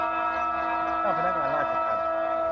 เจ้าพนักงานราชทัณฑ์